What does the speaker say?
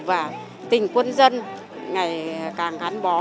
và tình quân dân ngày càng gắn bó